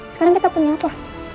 sekarang kita punya apa